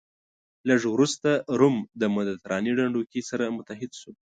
لږ وروسته روم د مدترانې ډنډوکی سره متحد شو.